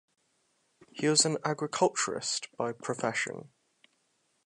He was an Agriculturist by profession.